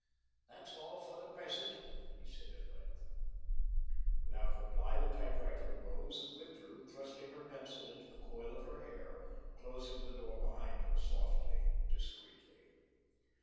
"That's all for the present," he said at length. Without reply, the typewriter rose and withdrew, thrusting her pencil into the coil of her hair, closing the door behind her, softly, discreetly.